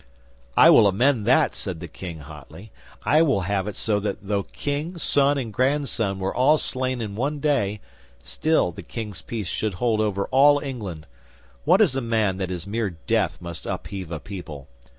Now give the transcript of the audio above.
'"I will amend that," said the King hotly. "I will have it so that though King, son, and grandson were all slain in one day, still the King's peace should hold over all England! What is a man that his mere death must upheave a people?